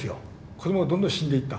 子どもがどんどん死んでいった。